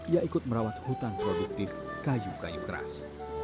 ia ikut merawat hutan produktif kayu kayu keras